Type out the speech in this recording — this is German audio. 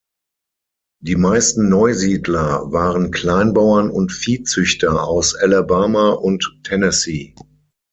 Die meisten Neusiedler waren Kleinbauern und Viehzüchter aus Alabama und Tennessee.